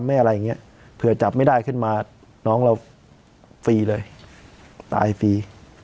อะไรอย่างเงี้ยเผื่อจับไม่ได้ขึ้นมาน้องเราฟรีเลยตายฟรี